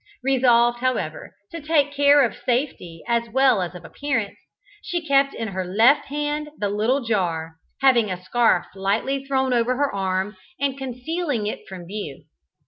Resolved, however, to take care of safety as well as of appearance, she kept in her left hand the little jar, having a scarf lightly thrown over her arm and concealing it from view.